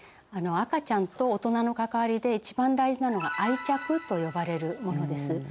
赤ちゃんと大人の関わりで一番大事なのが「愛着」と呼ばれるものです。